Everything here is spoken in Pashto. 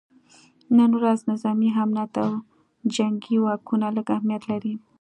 نن ورځ نظامي امنیت او جنګي واکونه لږ اهمیت لري